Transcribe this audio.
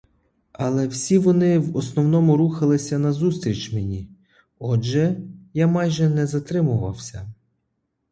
Але всі вони в основному рухалися назустріч мені, — отже, я майже не затримувався.